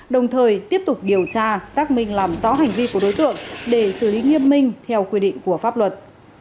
đồng thời tiếp tục điều tra xác minh làm rõ hành vi của đối tượng để xử lý nghiêm minh theo quy định của pháp luật